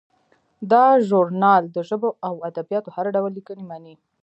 دا ژورنال د ژبو او ادبیاتو هر ډول لیکنې مني.